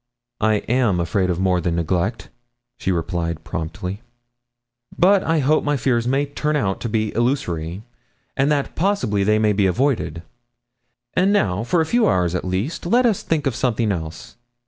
'I am afraid of more than neglect,' she replied promptly; 'but I hope my fears may turn out illusory, and that possibly they may be avoided. And now, for a few hours at least, let us think of something else.